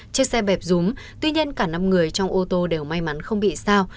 chiếc xe bẹp rúm tuy nhiên cả năm người trong ô tô đều may mắn không bị sao